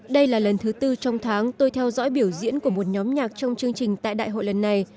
đây là lần thứ tư trong tháng tôi theo dõi biểu diễn của một nhóm nhạc trong chương trình tại đại hội lần này